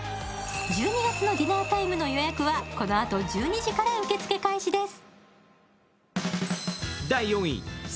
１２月のディナータイムの予約はこのあと１２時から受付開始です。